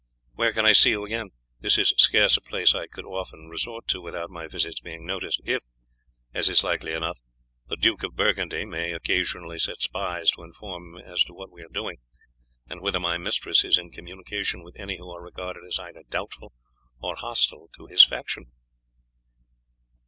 Where can I see you again? This is scarce a place I could often resort to without my visits being noticed, if, as is likely enough, the Duke of Burgundy may occasionally set spies to inform him as to what we are doing, and whether my mistress is in communication with any who are regarded as either doubtful or hostile to his faction."